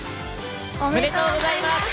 おめでとうございます！